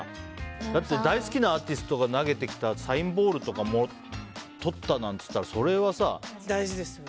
だって、大好きなアーティストが投げてきたサインボールとかとったなんていったら大事ですよね。